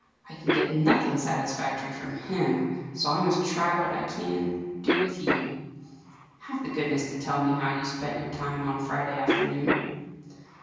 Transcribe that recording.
I can get nothing satisfactory from him; so I must try what I can do with you. Have the goodness to tell me how you spent your time on Friday afternoon."